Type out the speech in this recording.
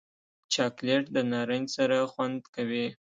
چاکلېټ د نارنج سره خوند کوي.